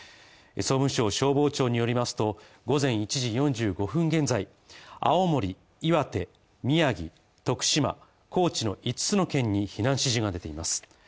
総務省、消防庁によりますと午前１時４５分現在、青森岩手、宮城、徳島、高知の五つの県に避難指示が出ています。